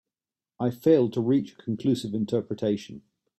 I failed to reach a conclusive interpretation.